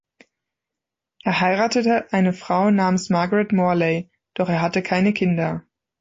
Er heiratete eine Frau namens Margaret Morlay, doch er hatte keine Kinder.